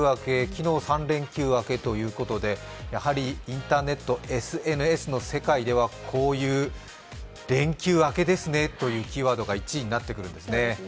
昨日、３連休明けということでやはりインターネット、ＳＮＳの世界ではこういう連休明けですねというキーワードが１位になってくるんですね。